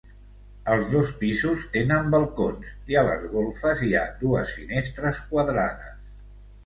Els dos pisos tenen balcons i a les golfes hi ha dues finestres quadrades.